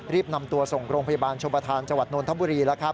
รีบนำตัวส่งโครงพยาบาลโชว์ประธานจนธบุรี